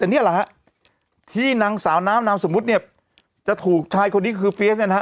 แต่นี่แหละฮะที่นางสาวน้ำนามสมมุติเนี่ยจะถูกชายคนนี้คือเฟียสเนี่ยนะฮะ